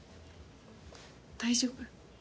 大丈夫？